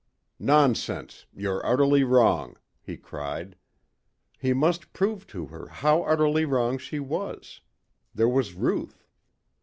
"Nonsense. You're utterly wrong," he cried. He must prove to her how utterly wrong she was. There was Ruth.